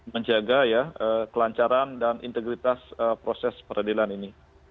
menjaga ya kelancaran dan integritas proses peradilan ini